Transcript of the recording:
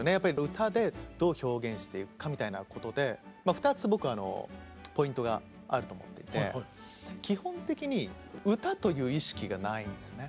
歌でどう表現していくかみたいなことでまあ２つ僕あのポイントがあると思っていて基本的に歌という意識がないんですよね。